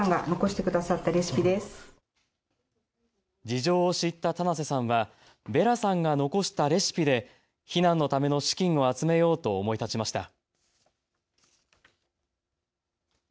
事情を知った棚瀬さんはヴェラさんが残したレシピで避難のための資金を集めようと思い立ちました。